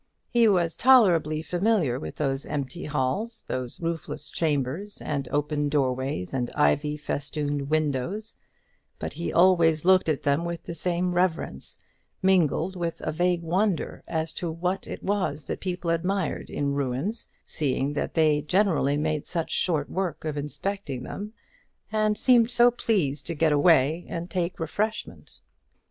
He was tolerably familiar with those empty halls, those roofless chambers, and open doorways, and ivy festooned windows; but he always looked at them with the same reverence, mingled with a vague wonder as to what it was that people admired in ruins, seeing that they generally made such short work of inspecting them, and seemed so pleased to get away and take refreshment.